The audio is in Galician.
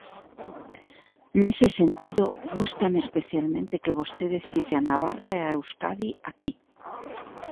Nese sentido, gústame especialmente que vostede cite a Navarra e a Euskadi aquí.